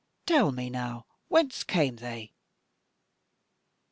Tell me now whence came they."